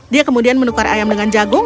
dia kemudian menukar ayam dengan jagung